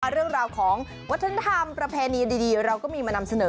เรื่องราวของวัฒนธรรมประเพณีดีเราก็มีมานำเสนอ